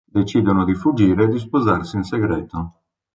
Decidono di fuggire e di sposarsi in segreto.